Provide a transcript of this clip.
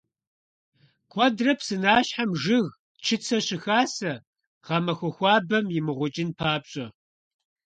Куэдрэ псынащхьэм жыг, чыцэ щыхасэ, гъэмахуэ хуабэм имыгъукӀын папщӀэ.